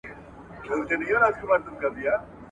تاریخي واقعتونه د ټولنیزو منلو په پرتله اصلی اهمیت لري.